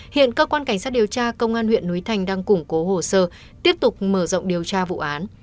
hiện cơ quan cảnh sát điều tra công an huyện núi thành đang củng cố hồ sơ tiếp tục mở rộng điều tra vụ án